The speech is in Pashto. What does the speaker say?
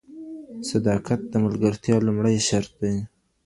صداقت د ملګرتیا لومړی شرط دی.